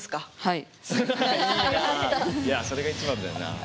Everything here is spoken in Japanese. いやそれが一番だよな。